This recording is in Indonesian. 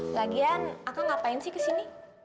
lagian ad apaan di sini